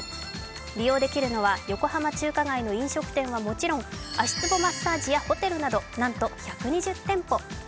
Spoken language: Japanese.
利用できるのは横浜中華街の飲食店はもちろん足つぼマッサージやホテルなど、なんと１２０店舗。